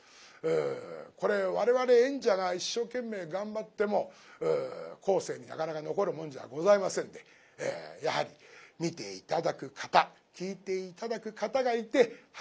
これ我々演者が一生懸命頑張っても後世になかなか残るもんじゃございませんでやはり見て頂く方聴いて頂く方がいて初めて成り立つ古典芸能です。